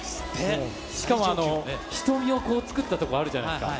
しかも、瞳を作ったとこあるじゃないですか。